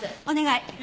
お願い。